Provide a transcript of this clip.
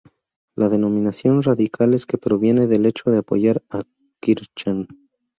La denominación radicales K proviene del hecho de apoyar a Kirchner.